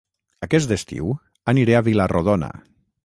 Aquest estiu aniré a Vila-rodona